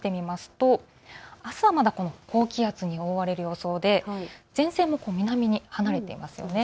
あすはまだ高気圧に覆われる予想で前線も南に離れていますよね。